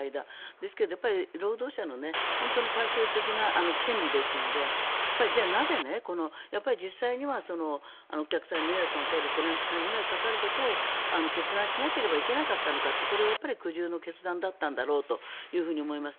ですけど労働者の最終的な権利ですのでじゃあなぜ実際にはお客さんに迷惑をかけることを決断しなければならなかったのかというこれはやっぱり苦渋の決断だったんだろうと思います。